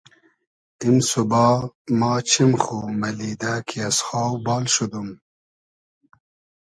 ایم سوبا ما چیم خو مئلیدۂ کی از خاو بال شودوم